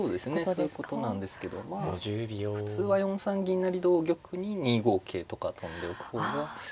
そういうことなんですけどまあ普通は４三銀成同玉に２五桂とか跳んでおく方が普通だと思います。